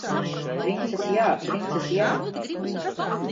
Princesi jā! Princesi jā!